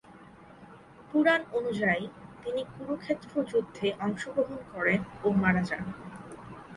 পুরাণ অনুযায়ী তিনি কুরুক্ষেত্র যুদ্ধে অংশগ্রহণ করেন ও মারা যান।